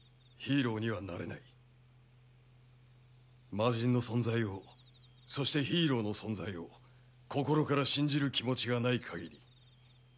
魔人の存在をそしてヒーローの存在を心から信じる気持ちがない限り。